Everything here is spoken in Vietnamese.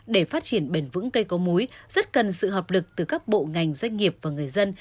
để phát triển bền vững cây có múi rất cần sự hợp lực từ các bộ ngành doanh nghiệp và người dân